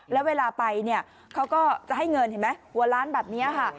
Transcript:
แล้วเวลาไปเนี่ยเขาก็จะให้เงินเห็นไหมหัวล้านแบบนี้ค่ะ